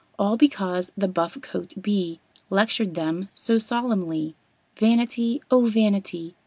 All because the buff coat Bee Lectured them so solemnly "Vanity, oh, vanity!